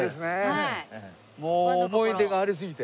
もう思い出がありすぎて。